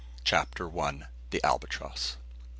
CHAPTER ONE. THE ALBATROSS.